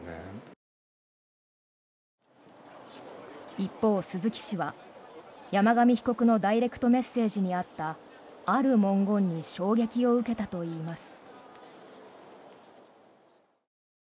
一方、鈴木氏は山上被告のダイレクトメッセージにあったある文言に衝撃を受けたといいます。